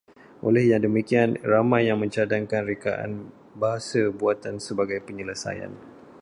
Oleh yang demikian, ramai yang mencadangkan rekaan bahasa buatan sebagai penyelesaian